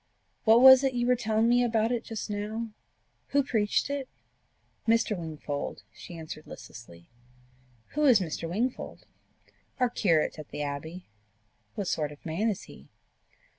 "What was it you were telling me about it just now? Who preached it?" "Mr. Wingfold," she answered listlessly. "Who is Mr. Wingfold?" "Our curate at the Abbey." "What sort of man is he?"